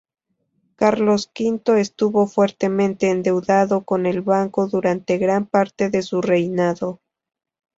Carlos V estuvo fuertemente endeudado con el Banco durante gran parte de su reinado.